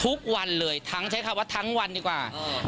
ทุกวันเลยใช้คำว่าทั้งวันดีกว่าค่ะ